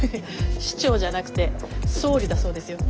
市長じゃなくて総理だそうですよ。